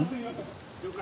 了解。